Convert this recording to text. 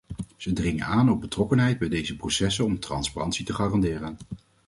Ze dringen aan op betrokkenheid bij deze processen om transparantie te garanderen.